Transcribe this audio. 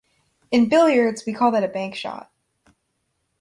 In billiards, we call that a bank shot.